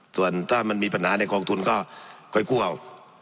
ส่วนถ้ามันมีปัญหาในกองทุนก็ค่อยกู้เอา